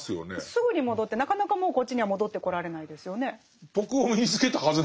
すぐに戻ってなかなかもうこっちには戻ってこられないですよね。